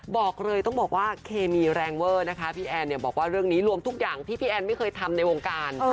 บอกเลยต้องบอกว่าเคมีแรงเวอร์นะคะพี่แอนเนี่ยบอกว่าเรื่องนี้รวมทุกอย่างที่พี่แอนไม่เคยทำในวงการ